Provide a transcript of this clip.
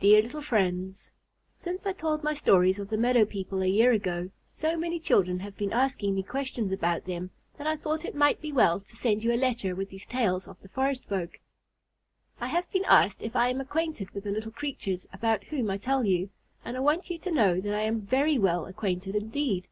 Dear Little Friends: Since I told my stories of the meadow people a year ago, so many children have been asking me questions about them that I thought it might be well to send you a letter with these tales of the forest folk. I have been asked if I am acquainted with the little creatures about whom I tell you, and I want you to know that I am very well acquainted indeed.